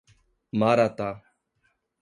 Maratá